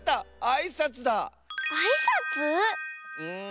あいさつ？ん。